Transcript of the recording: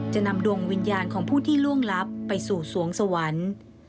จะนำดวงวิญญาณของผู้ที่ล่วงลับไปสู่สวงสวรรค์